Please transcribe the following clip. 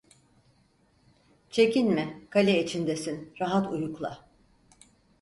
Çekinme, kale içindesin, rahat uyukla…